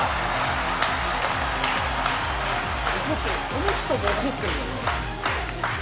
この人も怒ってるんだね。